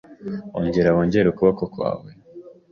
Ongera wongere ukuboko kwawe